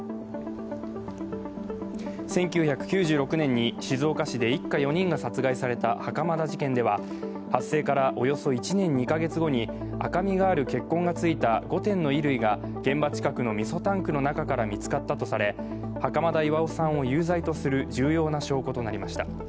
１９６６年に静岡市で一家４人が殺害された袴田事件では、発生からおよそ１年２か月後に赤みがある血痕がついた５点の衣類が現場近くのみそタンクの中から見つかったとされ袴田巌さんを有罪とする重要な証拠となりました。